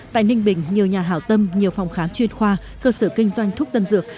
tại ninh bình nhiều nhà hảo tâm nhiều phòng khám chuyên khoa cơ sở kinh doanh thuốc tân dược